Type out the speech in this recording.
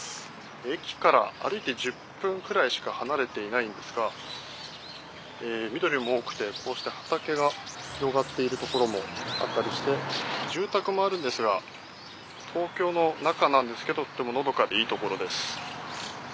駅から歩いて１０分くらいしか離れていないんですが緑も多くてこうして畑が広がっているところもあったりして住宅もあるんですが東京の中なんですけどとてものどかでいい所です。